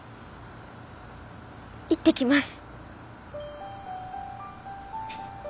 行ってきます！